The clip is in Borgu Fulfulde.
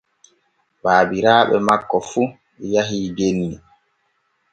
Baabiraaɓe makko fu yahii genni.